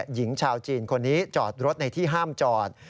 หญิงชาวจีนคนนี้จอดรถในที่ห้ามจอด